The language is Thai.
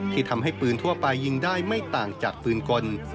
ที่ทำให้ปืนทั่วไปยิงได้ไม่ต่างจากปืนกล